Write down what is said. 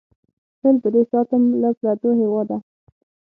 تل به دې ساتم له پردو هېواده!